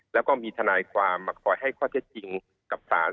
แล้วก็มีทนายความมาคอยให้ข้อเท็จจริงกับศาล